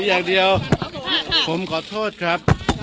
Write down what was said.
อย่างเดียวผมขอโทษครับ